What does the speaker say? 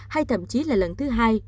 hay thậm chí là lần thứ hai